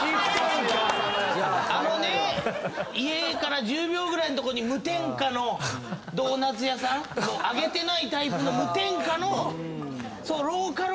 あのね家から１０秒ぐらいのとこに無添加のドーナツ屋さん揚げてないタイプの無添加の。